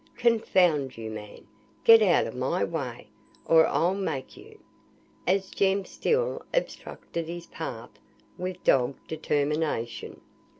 Confound you, man! get out of my way, or I'll make you," as Jem still obstructed his path with dogged determination.